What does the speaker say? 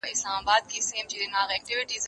زه کولای سم کالي وچوم؟!